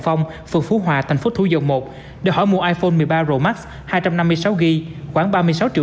phong phường phú hòa thành phố thú dầu i để hỏi mua iphone một mươi ba pro max hai trăm năm mươi sáu gb khoảng ba mươi sáu triệu